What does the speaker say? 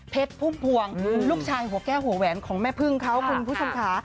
พุ่มพวงลูกชายหัวแก้วหัวแหวนของแม่พึ่งเขาคุณผู้ชมค่ะ